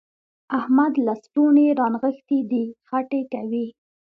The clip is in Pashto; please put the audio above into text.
احمد لستوڼي رانغښتي دي؛ خټې کوي.